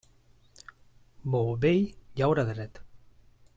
Bou vell llaura dret.